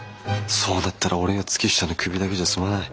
そうなったら俺や月下のクビだけじゃ済まない。